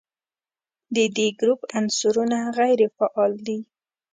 د دې ګروپ عنصرونه غیر فعال دي.